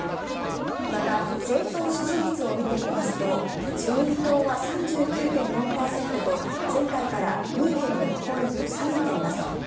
また、政党支持率を見てみますと自民党は３９．４％と前回から２．６ポイント下げています。